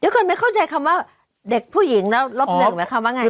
เดี๋ยวก่อนไม่เข้าใจคำว่าเด็กผู้หญิงแล้วลบหล่นไหมคำว่าไง